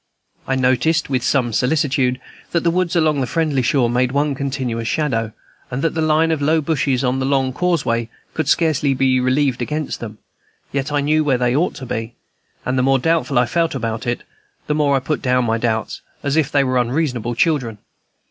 I noticed, with some solicitude, that the woods along the friendly shore made one continuous shadow, and that the line of low bushes on the long causeway could scarcely be relieved against them, yet I knew where they ought to be, and the more doubtful I felt about it, the more I put down my doubts, as if they were unreasonable children.